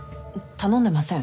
頼んでません。